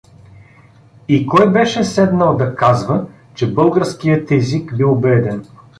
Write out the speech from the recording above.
И кой беше седнал да казва, че българският език бил беден!